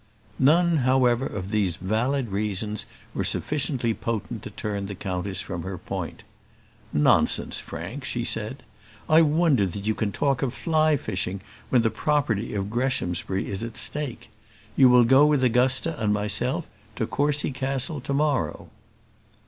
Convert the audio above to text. None, however, of these valid reasons were sufficiently potent to turn the countess from her point. "Nonsense, Frank," said she, "I wonder that you can talk of fly fishing when the property of Greshamsbury is at stake. You will go with Augusta and myself to Courcy Castle to morrow."